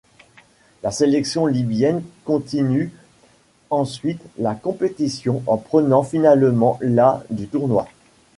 La sélection libyenne continue ensuite la compétition en prenant finalement la du tournoi.